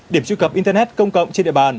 điểm trụ cập internet công cộng trên địa bàn